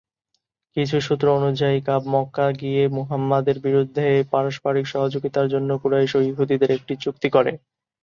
কিছু সূত্র অনুযায়ী কাব মক্কা গিয়ে মুহাম্মাদের বিরুদ্ধে পারস্পরিক সহযোগিতার জন্য কুরাইশ ও ইহুদিদের একটি চুক্তি করে।